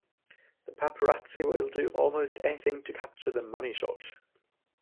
The Paparazzi will do almost anything to capture "the money shot".